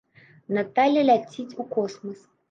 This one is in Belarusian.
Наталля ляціць у космас.